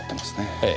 ええ。